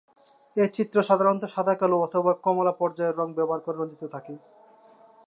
এই চিত্র সাধারণত সাদা-কালো অথবা কমলা পর্যায়ের রঙ ব্যবহার করে রঞ্জিত থাকে।